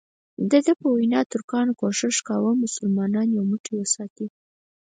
دده په وینا ترکانو کوښښ کاوه مسلمانان یو موټی وساتي.